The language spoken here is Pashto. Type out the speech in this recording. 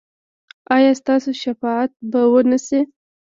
ایا ستاسو شفاعت به و نه شي؟